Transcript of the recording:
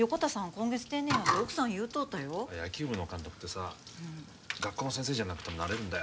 今月定年やって奥さん言うとったよ野球部の監督ってさ学校の先生じゃなくてもなれるんだよ